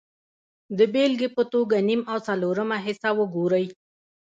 د بېلګې په توګه نیم او څلورمه حصه وګورئ